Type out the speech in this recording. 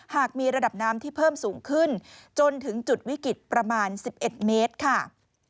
หากมีระดับน้ำที่เพิ่มสูงขึ้นจนถึงจุดวิกฤตประมาณ๑๑เมตรค่ะ